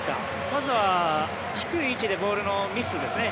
まずは低い位置でボールのミスですね